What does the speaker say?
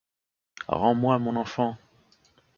Rends-moi mon enfant!